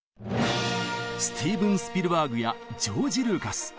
スティーブン・スピルバーグやジョージ・ルーカス。